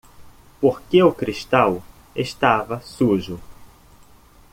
Porque o cristal estava sujo.